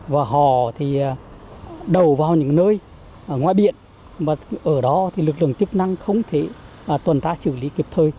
và họ thì đầu vào những nơi ngoại biện mà ở đó thì lực lượng chức năng không thể tuần ta xử lý kịp thời